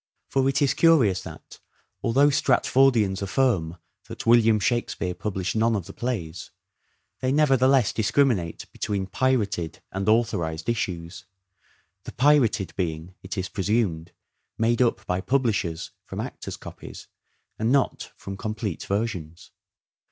For 26 402 "SHAKESPEARE" IDENTIFIED it is curious that, although Stratfordians affirm that William Shakspere published none of the plays, they nevertheless discriminate between " pirated " and authorized issues : the " pirated " being, it is presumed, made up by publishers from actors' copies, and not from complete versions.